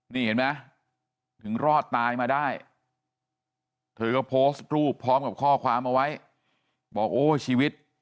นี่เห็นไหมถึงรอดตายมาได้เธอก็โพสต์รูปพร้อมกับข้อความเอาไว้บอกโอ้ชีวิต